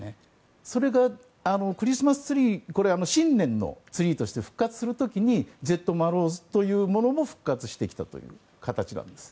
それがクリスマスツリー新年のツリーとして復活する時にジェドマロースというものも復活してきたという形なんです。